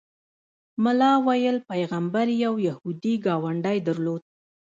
ملا ویل پیغمبر یو یهودي ګاونډی درلود.